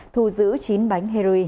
thu giữ chín bánh heroin